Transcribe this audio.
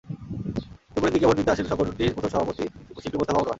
দুপুরের দিকে ভোট দিতে আসেন সংগঠনটির প্রথম সভাপতি শিল্পী মুস্তাফা মনোয়ার।